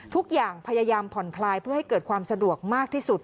ทุกอย่างพยายามผ่อนคลายเพื่อให้เกิดความสะดวกมากที่สุด